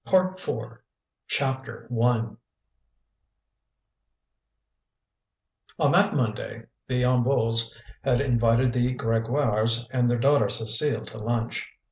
PART FOUR CHAPTER I On that Monday the Hennebeaus had invited the Grégoires and their daughter Cécile to lunch.